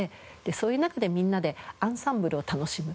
そういう中でみんなでアンサンブルを楽しむ。